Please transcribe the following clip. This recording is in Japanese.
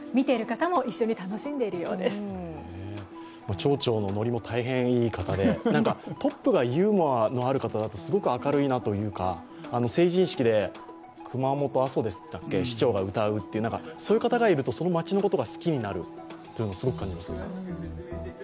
町長のノリも大変いい方でトップがユーモアのある方だと、すごく明るいなというか、成人式で熊本・阿蘇でしたっけ、市長が歌うという、そういう方がいるとその町のことが好きになるというのをすごく感じます。